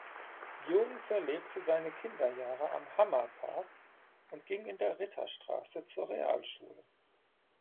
Jung verlebte seine Kinderjahre am Hammer Park und ging in der Ritterstraße zur Realschule.